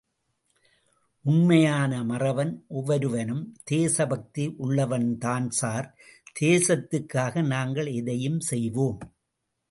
உண்மையான மறவன் ஒவ்வொருவனும் தேச பக்தி உள்ளவன்தான் சார், தேசத்துக்காக நாங்கள் எதையும் செய்வோம்.